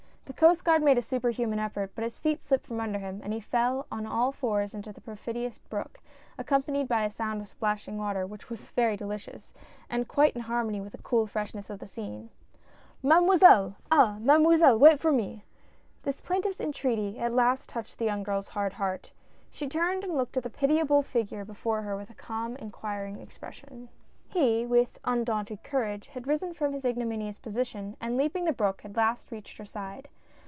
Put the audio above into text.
The Coast Guard made a superhuman effort, but his feet slipped from under him, and he fell on all fours into the perfidious brook, accompanied by a sound of splashing water, which was very delicious, and quite in harmony with the cool freshness of the scene. GOING TO MAKKET. 49 " Mademoiselle !— Ah ! Mademoiselle, wait for me !" This plaintive entreaty at last touched the young girl's hard heart. She turned and looked at the piti able figure before her with a calm, inquiring expression. He, with undaunted courage, had risen from his igno minious position, and leaping the brook, at last reached her side.